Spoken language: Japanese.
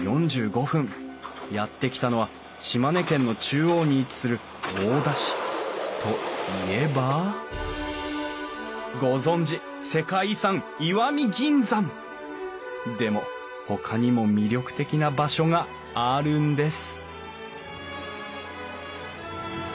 やって来たのは島根県の中央に位置する大田市。といえばご存じ世界遺産石見銀山！でもほかにも魅力的な場所があるんです